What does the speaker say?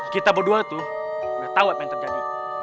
kita berdua tuh udah tahu apa yang terjadi